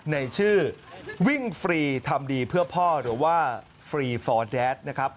ในชื่อวิ่งฟรีทำดีเพื่อพ่อหรือว่าฟรีฟอร์แดดนะครับ